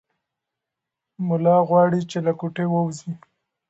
ملا غواړي چې له کوټې ووځي.